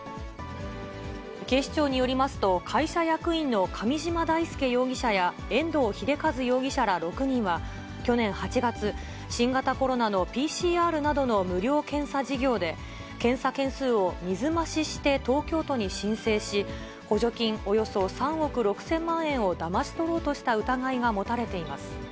警視庁によりますと、会社役員の上嶋大輔容疑者や遠藤英和容疑者ら６人は、去年８月、新型コロナのＰＣＲなどの無料検査事業で、検査件数を水増しして東京都に申請し、補助金およそ３億６０００万円をだまし取ろうとした疑いが持たれています。